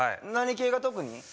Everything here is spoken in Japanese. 何系が特に？